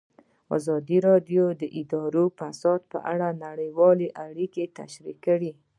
ازادي راډیو د اداري فساد په اړه نړیوالې اړیکې تشریح کړي.